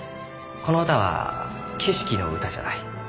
この歌は景色の歌じゃない。